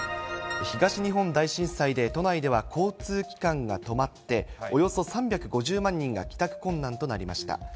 東日本大震災で、都内では交通機関が止まって、およそ３５０万人が帰宅困難となりました。